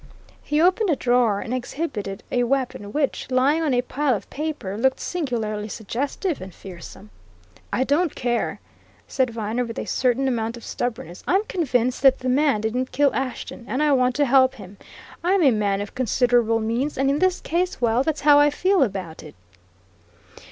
He opened a drawer and exhibited a weapon which, lying on a pile of paper, looked singularly suggestive and fearsome. "I don't care!" said Viner with a certain amount of stubbornness. "I'm convinced that the man didn't kill Ashton. And I want to help him. I'm a man of considerable means; and in this case well, that's how I feel about it."